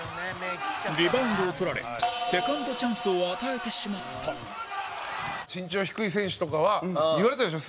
リバウンドを取られセカンドチャンスを与えてしまった身長低い選手とかは言われたでしょ？